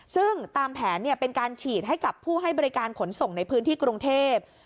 ซึ่งตามแผนเป็นการฉีดให้กับผู้ให้บริการขนส่งในพื้นที่กรุงเทพ